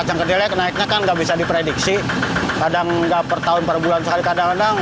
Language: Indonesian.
kacang kedelai naiknya kan gak bisa diprediksi kadang gak per tahun per bulan sekali kadang kadang